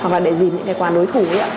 hoặc là để dìm những cái quán đối thủ